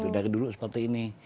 dari dulu seperti ini